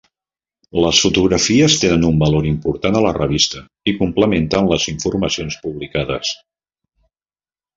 Les fotografies tenen un valor important a la revista i complementen les informacions publicades.